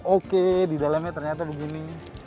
oke di dalamnya ternyata begini